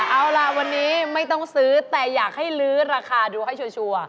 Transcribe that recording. เอาล่ะวันนี้ไม่ต้องซื้อแต่อยากให้ลื้อราคาดูให้ชัวร์